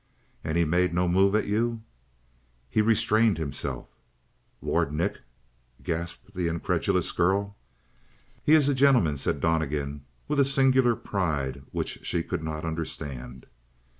"And he made no move at you?" "He restrained himself." "Lord Nick?" gasped the incredulous girl. "He is a gentleman," said Donnegan with a singular pride which she could not understand.